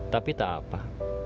tapi tak apa